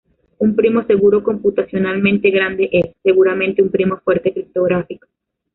Un primo seguro computacionalmente grande es, seguramente, un primo fuerte criptográfico.